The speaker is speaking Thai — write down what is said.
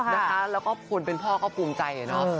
แล้วก็คนเป็นพ่อก็ภูมิใจเนอะ